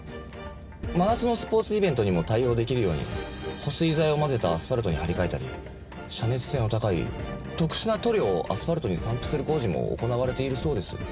真夏のスポーツイベントにも対応出来るように保水材を混ぜたアスファルトに張り替えたり遮熱性の高い特殊な塗料をアスファルトに散布する工事も行われているそうです。